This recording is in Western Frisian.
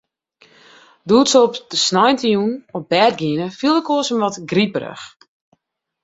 Doe't se op dy sneintejûn op bêd giene, fielde Koos him wat griperich.